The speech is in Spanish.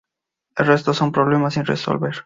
El resto son problemas sin resolver.